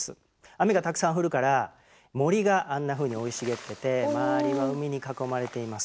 雨がたくさん降るから森があんなふうに生い茂ってて周りは海に囲まれています。